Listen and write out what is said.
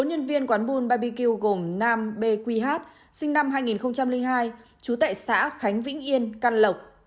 bốn nhân viên quán bun bbq gồm nam b q h sinh năm hai nghìn hai chú tại xã khánh vĩnh yên căn lộc